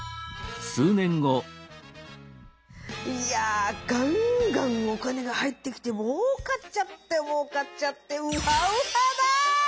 いやガンガンお金が入ってきてもうかっちゃってもうかっちゃってウハウハだ！